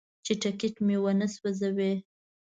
چې ټکټ مې ونه سوځوي.